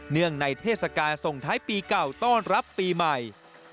เนื่องในเทศกาลทรงท้ายปีกล่าวต้อนรับปีใหม่